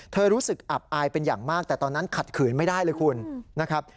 รู้สึกอับอายเป็นอย่างมากแต่ตอนนั้นขัดขืนไม่ได้เลยคุณนะครับ